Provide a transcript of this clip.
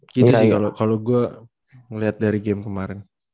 gitu sih kalau gue ngelihat dari game kemarin